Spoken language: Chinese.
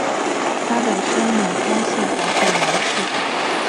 她的生母庄宪皇后王氏。